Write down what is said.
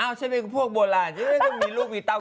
เอ้าใช่ไหมนี่พวกโบราณคุณทำเป็นถูกบรรลของเบาุรัง